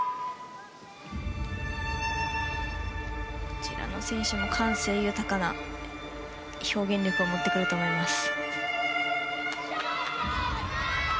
こちらの選手も感性豊かな表現力を持ってきます。